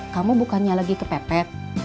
kamu bukannya lagi kepepet